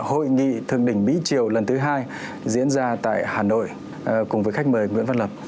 hội nghị thượng đỉnh mỹ triều lần thứ hai diễn ra tại hà nội cùng với khách mời nguyễn văn lập